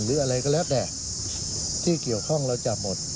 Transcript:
หรืออะไรก็แล้วแต่ที่เกี่ยวข้องเราจับหมด